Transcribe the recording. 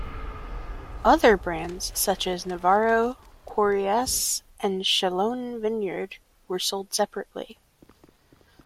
Other brands, such as Navarro Correas and Chalone Vineyard, were sold separately.